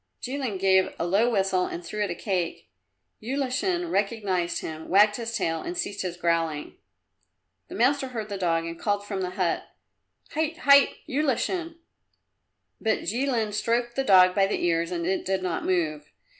Jilin gave a low whistle and threw it a cake. Ulashin recognized him, wagged his tail and ceased his growling. The master heard the dog and called from the hut, "Hait, hait, Ulashin!" But Jilin stroked the dog by the ears and it did not move.